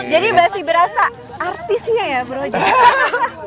jadi masih berasa artisnya ya bro